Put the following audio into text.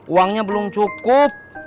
uangnya belum cukup